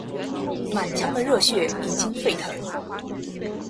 满腔的热血已经沸腾，